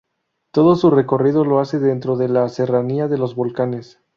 Todo su recorrido lo hace dentro de la Serranía de los Volcanes.